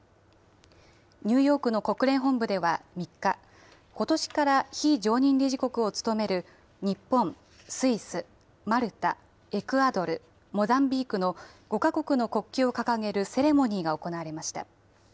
ニューヨークの国連本部では３日、ことしから非常任理事国を務める日本、スイス、マルタ、エクアドル、モザンビークの５か国の国旗を掲げるセレモニーが行われました。